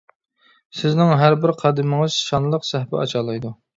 سىزنىڭ ھەر بىر قەدىمىڭىز شانلىق سەھىپە ئاچالايدۇ.